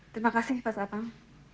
terima kasih pak sapang